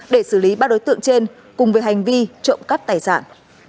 để xử lý ba đối tượng trên cùng với hành vi trộm cắp tài sản